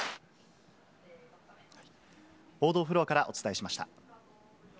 報道フロアからお伝えしまし